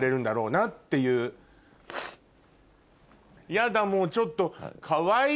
やだもうちょっと。